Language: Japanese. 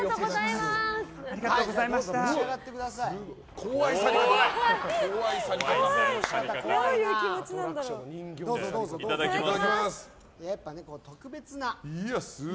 では、いただきます！